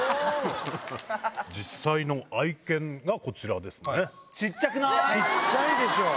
実際の愛犬がこちらですね。